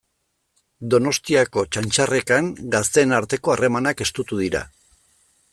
Donostiako Txantxarrekan gazteen arteko harremanak estutu dira.